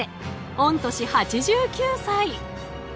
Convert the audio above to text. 御年８９歳。